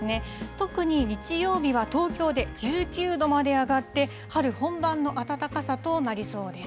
特に日曜日は東京で１９度まで上がって、春本番の暖かさとなりそうです。